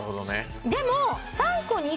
でも。